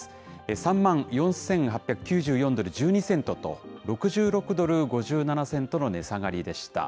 ３万４８９４ドル１２セントと、６６ドル５７セントの値下がりでした。